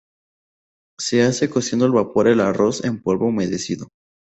Se hace cociendo al vapor arroz en polvo humedecido.